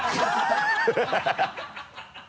ハハハ